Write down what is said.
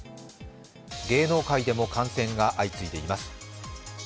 芸能界でも感染が相次いでいます。